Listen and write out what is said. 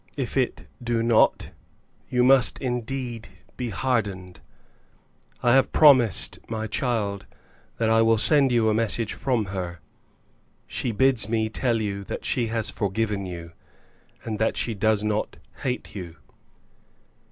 If it do not, you must, indeed, be hardened. I have promised my child that I will send to you a message from her. She bids me tell you that she has forgiven you, and that she does not hate you.